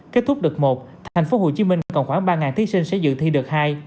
kết thúc đợt một tp hcm còn khoảng ba thí sinh sẽ dự thi đợt hai